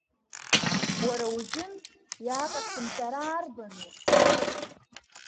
Уара узын иааҟасымҵара арбану!